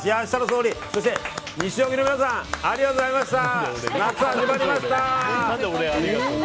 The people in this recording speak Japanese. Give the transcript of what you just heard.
総理、西荻の皆さんありがとうございました。